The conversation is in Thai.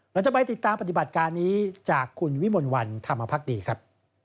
เราจะไปติดตามปฏิบัติการนี้จากคุณวิมลวันธรรมภักดีครับ